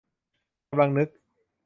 กำลังนึก